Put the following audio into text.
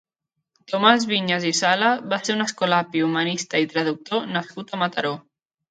Tomàs Viñas i Sala va ser un escolapi, humanista i traductor nascut a Mataró.